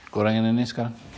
kurangin ini sekarang